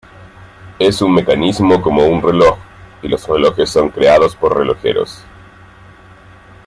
Es un mecanismo como un reloj, y los relojes son creados por relojeros.